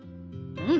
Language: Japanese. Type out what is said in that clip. うん！